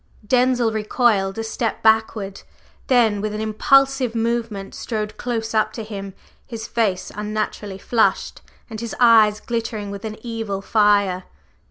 /Denzil/ recoiled a step backward, then with an impulsive movement strode close up to him, his face unnaturally flushed and his eyes glittering with an evil fire.